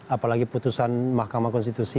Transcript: apalagi putusan mahkamah konstitusi